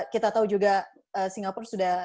kita tahu juga singapura sudah